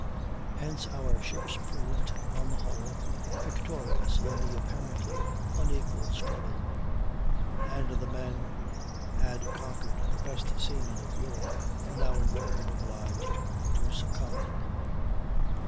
Hence our ships proved, on the whole, victorious in the apparently unequal struggle, and the men who had conquered the best seamen of Europe were now in turn obliged to succumb.